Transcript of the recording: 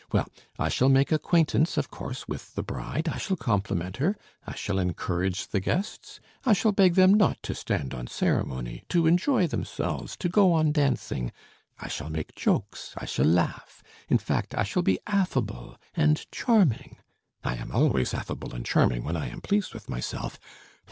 Well, I shall make acquaintance, of course, with the bride, I shall compliment her, I shall encourage the guests. I shall beg them not to stand on ceremony. To enjoy themselves, to go on dancing. I shall make jokes, I shall laugh; in fact, I shall be affable and charming. I am always affable and charming when I am pleased with myself....